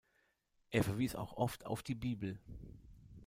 Er verwies auch oft auf die Bibel.